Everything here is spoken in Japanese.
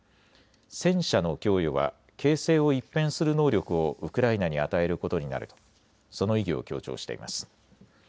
戦車の供与は形勢を一変する能力をウクライナに与えることになると、その意義を強調しています。